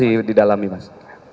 masi didalami mas